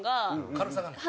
軽さがない？